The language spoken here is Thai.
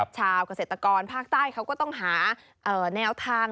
ชาวเกษตรกรภาคใต้เขาก็ต้องหาแนวทาง